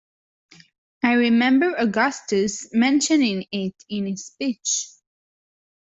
I remember Augustus mentioning it in his speech.